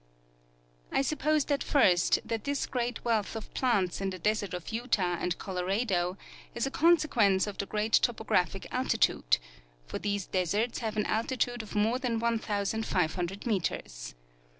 I supposed at first that this great wealth of plants in the desert of Utah and Colorado is a consequence of the great topographic altitude, for these deserts have an altitude of more than 1,500 meters.